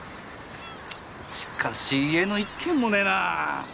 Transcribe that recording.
しかし家の一軒もねえなあ！